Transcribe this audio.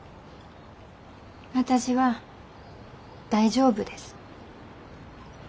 私は大丈夫です。